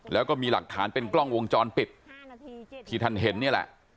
แล้วก็มีหลักฐานเป็นกล้องวงจรปิดที่ท่านเห็นนี่แหละ